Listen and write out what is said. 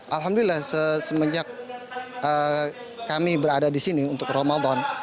alhamdulillah semenjak kami berada di sini untuk ramadan